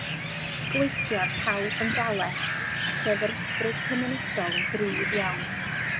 Gweithiodd pawb yn galed ac roedd yr ysbryd cymunedol yn gryf iawn